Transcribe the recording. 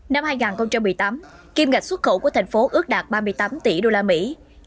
năm hai nghìn một mươi tám kim ngạch xuất khẩu của thành phố ước đạt ba mươi tám tỷ usd